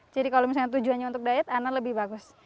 jadi kalau misalnya tujuannya untuk diet ana lebih bagus